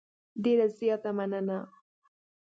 ډېره زیاته مننه .